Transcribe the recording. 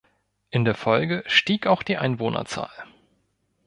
In der Folge stieg auch die Einwohnerzahl.